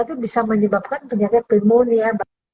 itu bisa menyebabkan penyakit pneumonia